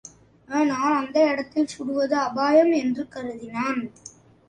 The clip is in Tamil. ஆனால் அந்த இடத்தில் சுடுவது அபாயம் என்று கருதினான்.